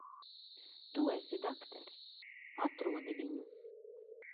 Tu esi dakteris. Atrodi viņu.